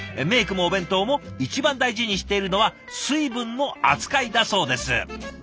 メークもお弁当も一番大事にしているのは「水分の扱い」だそうです。